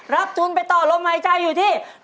ทุนไปต่อลมหายใจอยู่ที่